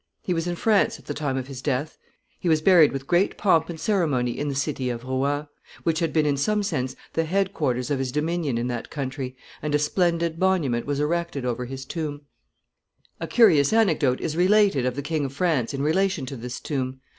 He was in France at the time of his death. He was buried with great pomp and ceremony in the city of Rouen, which had been in some sense the head quarters of his dominion in that country, and a splendid monument was erected over his tomb. [Sidenote: Anecdote.] A curious anecdote is related of the King of France in relation to this tomb.